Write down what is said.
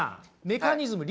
メカニズム